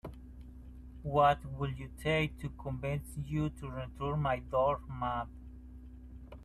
What would it take to convince you to return my doormat?